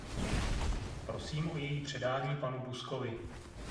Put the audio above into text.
Prosím o její předání panu Buzkovi.